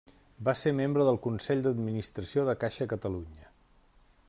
Va ser membre del consell d'administració de Caixa Catalunya.